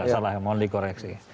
salah yang mau dikoreksi